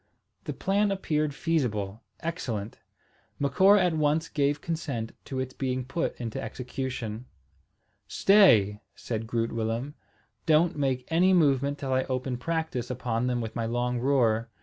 The plan appeared feasible, excellent. Macora at once gave consent to its being put into execution. "Stay," said Groot Willem. "Don't make any movement till I open practice upon them with my long roer.